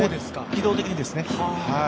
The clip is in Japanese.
軌道的にですね。